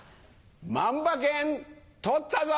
万馬券取ったぞ！